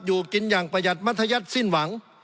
อยู่กินอย่างประหยัดมัธยัติสิ้นหวัง